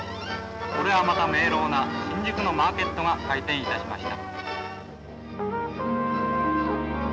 これはまた明朗な新宿のマーケットが開店いたしました」。